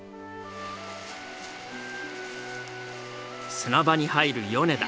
砂場に入る米田。